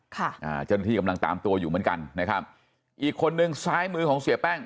อ่าเจ้าหน้าที่กำลังตามตัวอยู่เหมือนกันนะครับอีกคนนึงซ้ายมือของเสียแป้ง